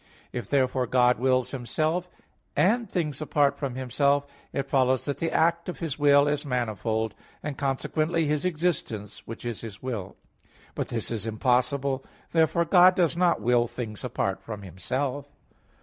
If, therefore, God wills Himself and things apart from Himself, it follows that the act of His will is manifold, and consequently His existence, which is His will. But this is impossible. Therefore God does not will things apart from Himself.